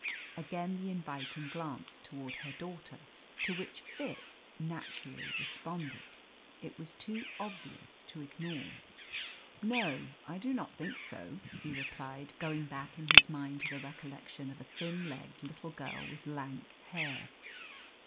Again the inviting glance toward her daughter, to which Fitz naturally responded. It was too obvious to ignore. "No; I do not think so," he replied, going back in his mind to the recollection of a thin legged little girl with lank hair.